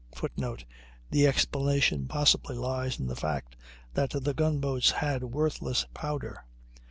[Footnote: The explanation possibly lies in the fact that the gun boats had worthless powder.